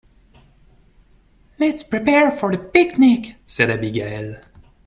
"Let's prepare for the picnic!", said Abigail.